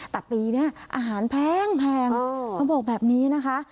แต่ปีนี้อาหารแพงเขาบอกแบบนี้นะคะ